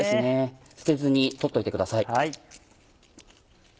捨てずに取っておいてください。